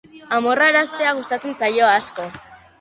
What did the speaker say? Amorraraztea gustatzen zaio, asko.